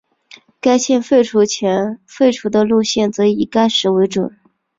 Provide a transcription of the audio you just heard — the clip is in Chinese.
该线废除前废除的路线则以该时为准。